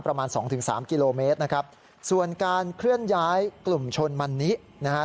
ประมาณสองถึงสามกิโลเมตรนะครับส่วนการเคลื่อนย้ายกลุ่มชนมันนินะฮะ